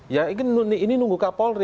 ya ini nunggu kapolri